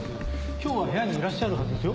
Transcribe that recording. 今日は部屋にいらっしゃるはずですよ。